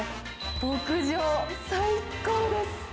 牧場、最高です。